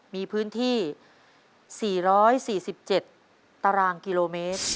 มีพื้นที่๔๔๗ตารางกิโลเมตร